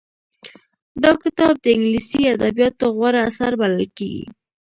دا کتاب د انګلیسي ادبیاتو غوره اثر بلل کېږي